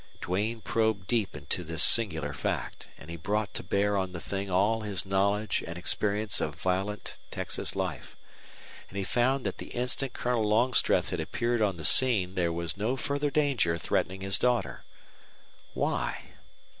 Duane probed deep into this singular fact, and he brought to bear on the thing all his knowledge and experience of violent Texas life. And he found that the instant Colonel Longstreth had appeared on the scene there was no further danger threatening his daughter. Why?